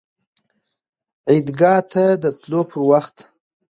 عیدګاه ته د تللو پر وخت